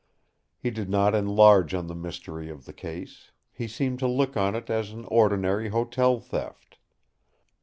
He did not enlarge on the mystery of the case; he seemed to look on it as an ordinary hotel theft.